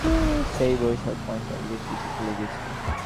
কিন্তু সবাইকে অবাক করে দিয়ে সেই বরিশাল পয়েন্ট তালিকার শীর্ষে চলে গিয়েছিল।